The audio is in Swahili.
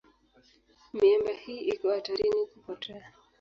Miamba hii iko hatarini kupotea.